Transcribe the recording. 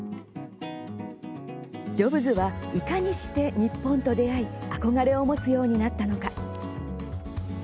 ジョブズはいかにして日本と出会い憧れを持つようになったのか。